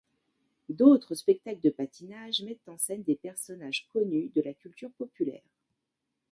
D'autres spectacles de patinage mettent en scène des personnages connus de la culture populaire.